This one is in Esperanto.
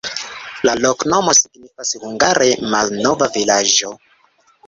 La loknomo signifas hungare: malnova-vilaĝo.